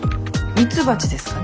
ミツバチですかね。